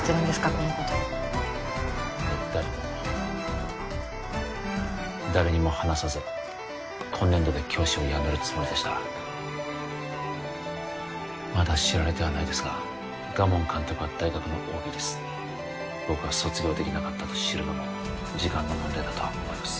このこといや誰も誰にも話さず今年度で教師を辞めるつもりでしたまだ知られてはないですが賀門監督は大学のＯＢです僕が卒業できなかったと知るのも時間の問題だとは思います